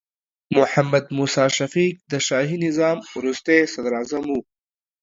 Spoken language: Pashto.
محمد موسی شفیق د شاهي نظام وروستې صدراعظم و.